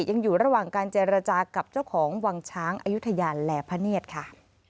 ยังอยู่ระหว่างการเจรจากับเจ้าของวังช้างอายุทยาและพระเนียดค่ะ